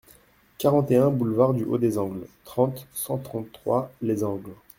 quarante et un boulevard du Haut des Angles, trente, cent trente-trois, Les Angles